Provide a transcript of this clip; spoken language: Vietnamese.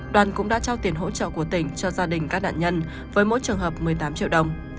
đoàn cũng đã trao tiền hỗ trợ của tỉnh cho gia đình các nạn nhân với mỗi trường hợp một mươi tám triệu đồng